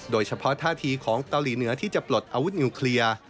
โดยเฉพาะท่าทีของเกาหลีเหนือที่จะปลดอาวุธนิวเคลียร์